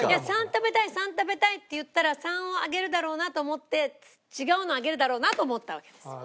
「３食べたい３食べたい」って言ったら３を上げるだろうなと思って違うのを上げるだろうなと思ったわけですよ。